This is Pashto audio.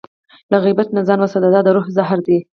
له غیبت نه ځان وساته، دا د روح زهر دی.